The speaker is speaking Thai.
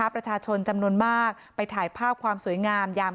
ประชาชนจำนวนมากไปถ่ายภาพความสวยงามยาม